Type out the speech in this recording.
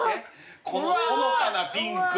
このほのかなピンク。